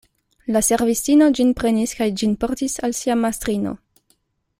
La servistino ĝin prenis kaj ĝin portis al sia mastrino.